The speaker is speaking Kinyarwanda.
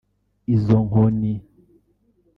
izo nkoni